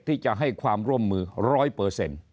ที่จะให้ความร่วมมือร้อยเปอร์เซ็นต์